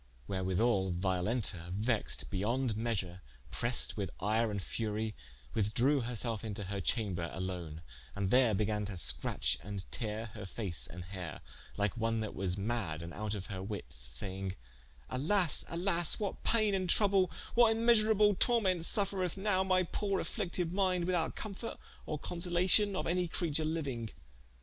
Wherewithall Violenta vexed beyonde measure pressed with yre and furie, withdrewe herselfe into her chamber alone, and there began to scratche and teare her face and heare, like one that was madde and out of her wittes, saying: "Alas, alas, what payne and trouble, what vnmeasurable tormentes suffreth nowe my poore afflicted mynde, without comfort or consolation of any creature liuing?